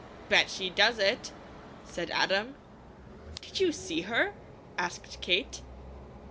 "Bet she does it!" said Adam. "Did you see her?" asked Kate.